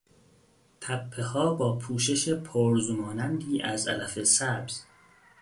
تپهها با پوشش پرز مانندی از علف سبز